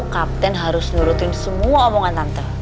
kapten harus nurutin semua omongan tante